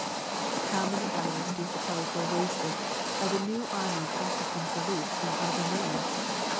How many hours do you suppose were wasted by the new army practicing salutes in front of a mirror?